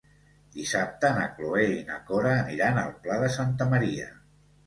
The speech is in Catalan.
Dissabte na Cloè i na Cora aniran al Pla de Santa Maria.